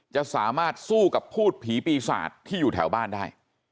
จะสามารถสู้กับพูดผีปีศาจที่อยู่แถวบ้านได้